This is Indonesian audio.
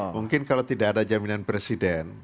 mungkin kalau tidak ada jaminan presiden